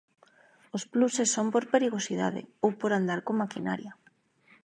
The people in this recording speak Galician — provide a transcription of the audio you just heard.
Os pluses son por perigosidade ou por andar con maquinaria.